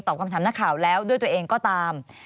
คำถามนักข่าวแล้วด้วยตัวเองก็ตาม